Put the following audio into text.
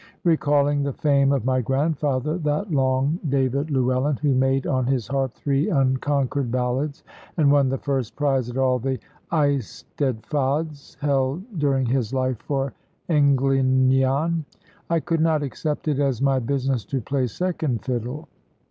Recalling the fame of my grandfather (that long David Llewellyn, who made on his harp three unconquered ballads, and won the first prize at all the Eisteddfods held during his life for Englynion), I could not accept it as my business to play second fiddle.